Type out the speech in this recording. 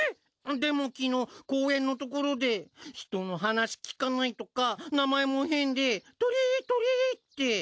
でも昨日公園のところで人の話聞かないとか名前も変でとりとりって。